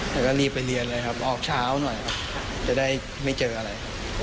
แล้วก็รีบไปเรียนเลยครับออกเช้าหน่อยครับจะได้ไม่เจออะไร